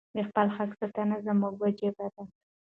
د خپل حق ساتنه زموږ وجیبه ده.